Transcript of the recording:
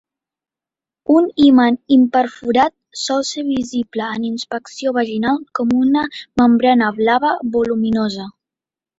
Un himen imperforat sol ser visible en inspecció vaginal com una membrana blava voluminosa.